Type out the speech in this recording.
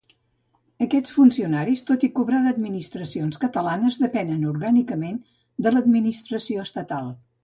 Aquests funcionaris, tot i cobrar d’administracions catalanes, depenen orgànicament de l’administració estatal.